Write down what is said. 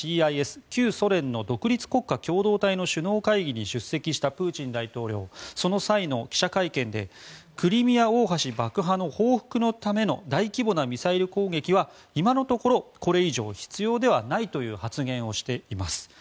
旧ソ連の独立国家共同体の首脳会議に出席したプーチン大統領その際の記者会見でクリミア大橋爆破の報復のための大規模なミサイル攻撃は今のところこれ以上必要ではないという発言をしています。